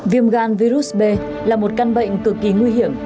viêm gan virus b là một căn bệnh cực kỳ nguy hiểm